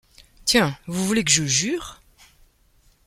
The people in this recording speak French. Tiens ! vous voulez que je jure ?